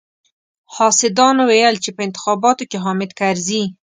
حاسدانو ويل چې په انتخاباتو کې حامد کرزي.